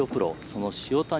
その塩谷